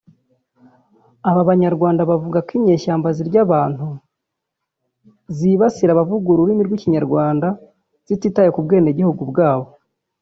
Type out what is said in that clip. Aba banyarwanda bavuga ko inyeshyamba zirya abantu zibasira abavuga ururimi rw’Ikinyarwanda zititaye ku bwenegihugu bwa bo